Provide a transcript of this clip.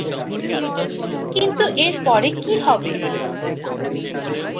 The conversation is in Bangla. কিন্তু এর পরে কী হবে?